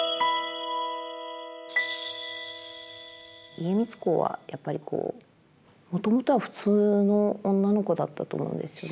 家光公はやっぱりこうもともとは普通の女の子だったと思うんですよね。